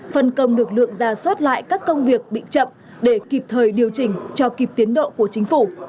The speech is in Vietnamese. phân công lực lượng ra soát lại các công việc bị chậm để kịp thời điều chỉnh cho kịp tiến độ của chính phủ